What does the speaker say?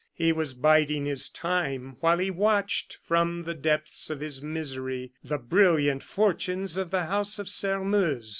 He was biding his time while he watched from the depths of his misery the brilliant fortunes of the house of Sairmeuse.